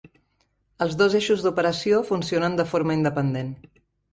Els dos eixos d'operació funcionen de forma independent.